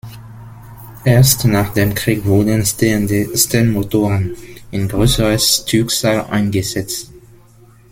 Erst nach dem Krieg wurden stehende Sternmotoren in größerer Stückzahl eingesetzt.